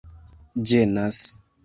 ĝenas